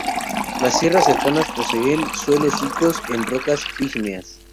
Las sierras cercanas poseen suelos ricos en rocas ígneas.